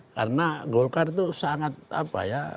karena golkar itu sangat apa ya